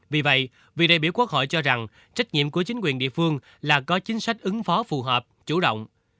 vì vậy vị đại biểu quốc hội cho rằng trách nhiệm của chính quyền địa phương là có chính sách ứng phó phù hợp chủ động